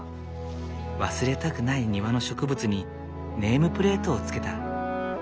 忘れたくない庭の植物にネームプレートをつけた。